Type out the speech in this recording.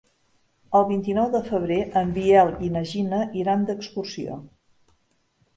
El vint-i-nou de febrer en Biel i na Gina iran d'excursió.